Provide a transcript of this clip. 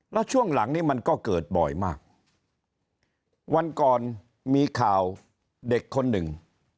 แล้วช่วงหลังนี้มันก็เกิดบ่อยมากวันก่อนมีข่าวเด็กคนหนึ่ง